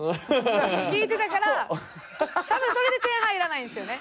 聞いてたから多分それで点入らないんですよね。